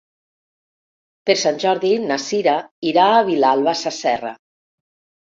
Per Sant Jordi na Cira irà a Vilalba Sasserra.